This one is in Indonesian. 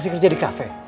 masih kerja di kafe